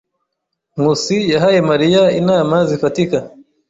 Nkusi yahaye Mariya inama zifatika.